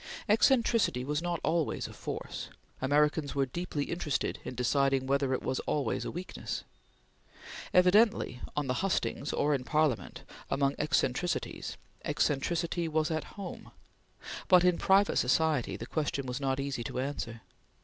Eccentricity was not always a force; Americans were deeply interested in deciding whether it was always a weakness. Evidently, on the hustings or in Parliament, among eccentricities, eccentricity was at home; but in private society the question was not easy to answer.